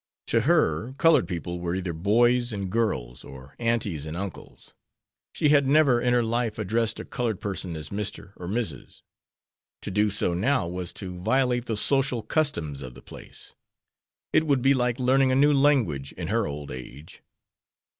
To her colored people were either boys and girls, or "aunties and uncles." She had never in her life addressed a colored person as "Mr. or Mrs." To do so now was to violate the social customs of the place. It would be like learning a new language in her old age.